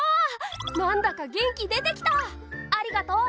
何だか元気出てきた、ありがとう。